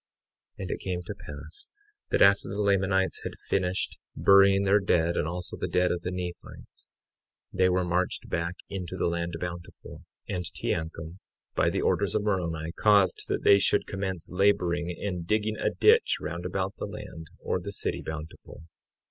53:3 And it came to pass that after the Lamanites had finished burying their dead and also the dead of the Nephites, they were marched back into the land Bountiful; and Teancum, by the orders of Moroni, caused that they should commence laboring in digging a ditch round about the land, or the city, Bountiful.